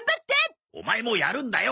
オマエもやるんだよ。